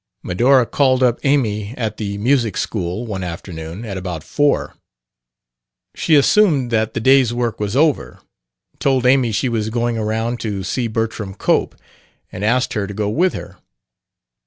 Medora called up Amy at the music school, one afternoon, at about four. She assumed that the day's work was over, told Amy she was "going around" to see Bertram Cope, and asked her to go with her.